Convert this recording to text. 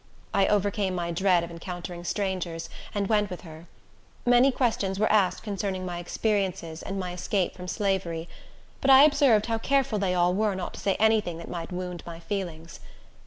I overcame my dread of encountering strangers, and went with her. Many questions were asked concerning my experiences, and my escape from slavery; but I observed how careful they all were not to say any thing that might wound my feelings.